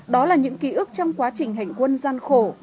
đó là những ký ức trong quá trình hành quân gian khổ